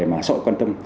mà sợ quan tâm